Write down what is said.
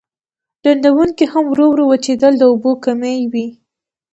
ډنډونکي هم ورو ورو وچېدل د اوبو کمی و.